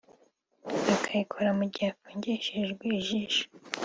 akayikora mu gihe afungishijwe ijisho